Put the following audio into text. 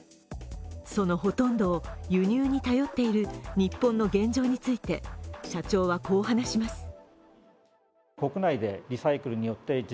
そのほとんどを輸入に頼っている日本の現状について社長は、こう話します。